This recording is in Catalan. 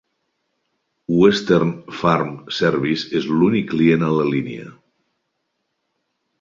Western Farm Service és l'únic client a la línia.